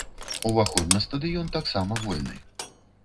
Уваход на стадыён таксама вольны.